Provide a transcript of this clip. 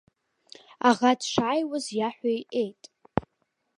Аӷа дшааиуаз иаҳәа иҟьеит.